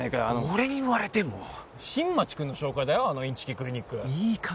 俺に言われても新町君の紹介だよあのインチキクリニック言い方